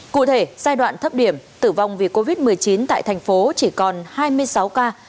cụ thể giai đoạn thấp điểm tử vong vì covid một mươi chín tại thành phố chỉ còn hai mươi sáu ca